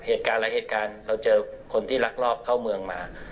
เหตุการณ์หลายเหตุการณ์เราเจอคนที่ลักลอบเข้าเมืองมา